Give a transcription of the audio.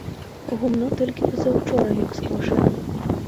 Гумно толькі пазаўчора як скошана.